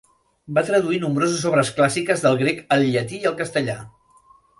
Va traduir nombroses obres clàssiques del grec al llatí i al castellà.